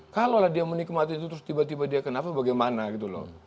kalau dia menikmati itu terus tiba tiba dia kenapa bagaimana gitu loh